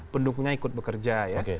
pendukungnya ikut bekerja ya